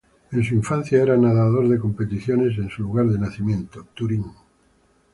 En su infancia, era nadador de competición en su lugar de nacimiento, Turín.